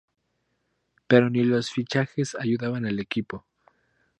Pero ni los fichajes ayudaban al equipo.